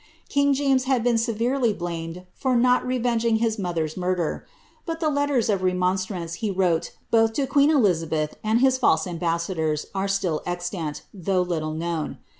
King James has been severely blamed for not revenging his mother's murder ; but the letters of remonstrance he wrote both to queen Elizabeth and his fidse ambassadors are still extant, though little known.